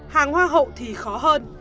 hàng hoa hậu thì khó hơn